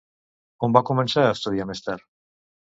On va començar a estudiar més tard?